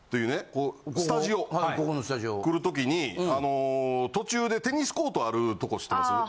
ここのスタジオ。来るときに途中でテニスコートあるとこ知ってます？